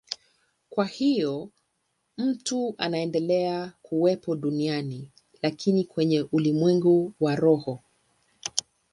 Kwa hiyo mtu anaendelea kuwepo duniani, lakini kwenye ulimwengu wa roho.